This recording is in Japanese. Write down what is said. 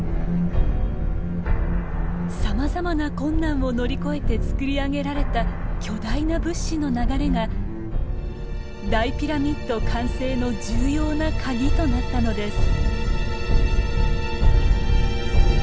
さまざまな困難を乗り越えてつくり上げられた巨大な物資の流れが大ピラミッド完成の重要なカギとなったのです。